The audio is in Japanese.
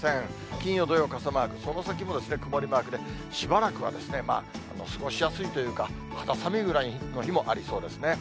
金曜、土曜、傘マーク、その先も曇りマークで、しばらくは過ごしやすいというか、肌寒いぐらいの日もありそうですね。